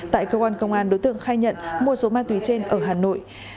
tại cơ quan công an đối tượng khai nhận mua số ma túy trên ở hà nội